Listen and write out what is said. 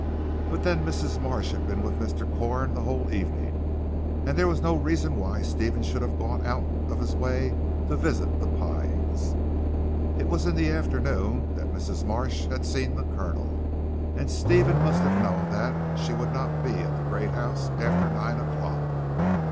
But then Mrs. Marsh had been with Mr. Corn the whole evening, and there was no reason why Stephen should have gone out of his way to visit "The Pines." It was in the afternoon that Mrs. Marsh had seen the Colonel, and Stephen must have known that she would not be at the great house after nine o'clock.